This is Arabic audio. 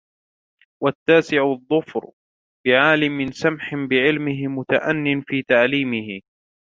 وَالتَّاسِعُ الظَّفَرُ بِعَالِمٍ سَمْحٍ بِعِلْمِهِ مُتَأَنٍّ فِي تَعْلِيمِهِ